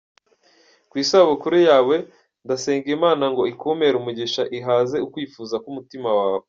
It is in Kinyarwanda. Ku isabukuru yawe ndasenga Imana ngo ikumpere umugisha ihaze ukwifuza k'umutima wawe.